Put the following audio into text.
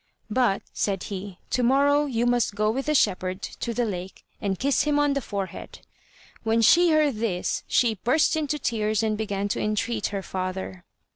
"But," said he, "to morrow you must go with the shepherd to the lake and kiss him on the forehead." When she heard this she burst into tears and began to entreat her father.